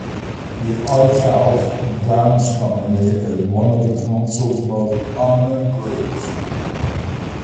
The Arts House Dance Company is one of the council's most prominent groups.